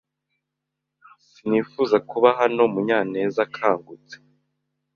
sinifuza kuba hano Munyanezakangutse.